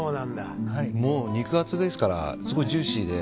もう肉厚ですからすごくジューシーで。